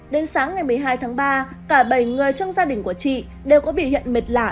đến sáng ngày một mươi hai tháng ba cả bảy người trong gia đình của chị đều có biểu hiện mệt lạ